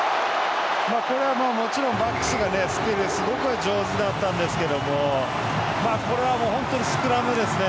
これはもちろんバックスがすごく上手だったんですけどこれはスクラムですね。